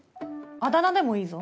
あだ名でもいいぞ。